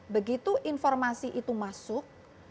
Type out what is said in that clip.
begitu informasi itu masuk